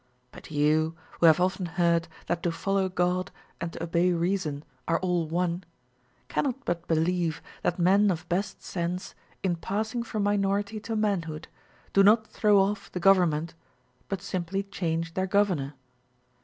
But you, who have often heard that to follow God and to obey reason are all one, cannot but believe that men of best sense in passing from minority to manhood do not throw off the government, but simply change their governor.